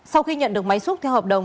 sau khi nhận được máy xúc theo hợp đồng